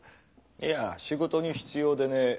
いや仕事に必要でね。